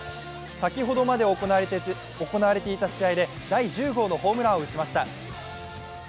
先ほどまで行われていた試合で第１０号のホームランを打ちました。